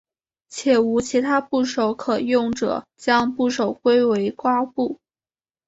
且无其他部首可用者将部首归为瓜部。